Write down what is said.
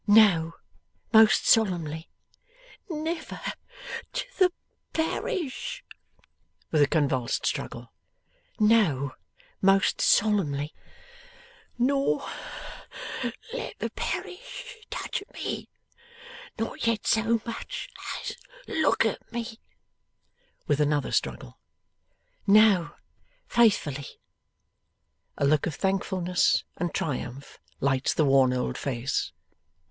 'No. Most solemnly.' 'Never to the Parish!' with a convulsed struggle. 'No. Most solemnly.' 'Nor let the Parish touch me, not yet so much as look at me!' with another struggle. 'No. Faithfully.' A look of thankfulness and triumph lights the worn old face.